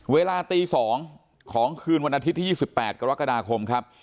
เวลาตี๒ของคืนวันอาทิตย์ที่๒๘กรกฎาคมครับ